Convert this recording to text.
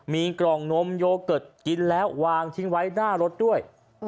มีกล่องนมโยเกิร์ตกินแล้ววางทิ้งไว้หน้ารถด้วย